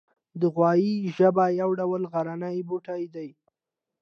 د غویي ژبه یو ډول غرنی بوټی دی